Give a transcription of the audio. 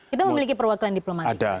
kita memiliki perwakilan diplomatik